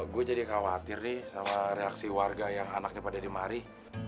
gue jadi khawatir nih sama reaksi warga yang anaknya pada dimari